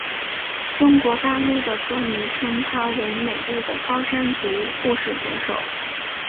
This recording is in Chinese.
中国大陆的歌迷称她为美丽的高山族护士歌手。